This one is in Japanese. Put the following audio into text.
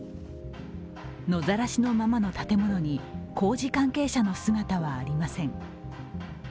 野ざらしのままの建物に工事関係者の姿はありません。